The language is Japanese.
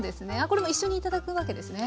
これも一緒に頂くわけですね。